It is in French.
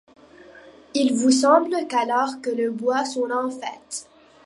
Il vous semble qu’alors que les bois sont en fête